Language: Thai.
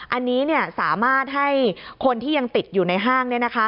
อันนี้สามารถให้คนที่ยังติดอยู่ในห้าง